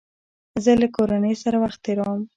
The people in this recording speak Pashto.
زه له کورنۍ سره وخت تېرووم.